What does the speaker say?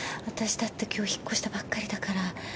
私だって今日引っ越したばっかりだから。